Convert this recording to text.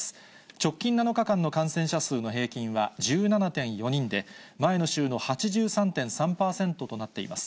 直近７日間の感染者数の平均は１７．４人で、前の週の８３．３％となっています。